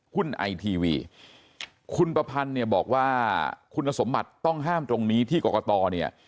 ไอทีวีคุณประพันธ์เนี่ยบอกว่าคุณสมบัติต้องห้ามตรงนี้ที่กรกตเนี่ย